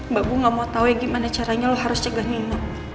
mbak bu gak mau tau ya gimana caranya lo harus cegah minum